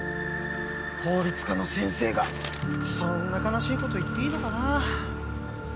法律家の先生がそんな悲しいこと言っていいのかな？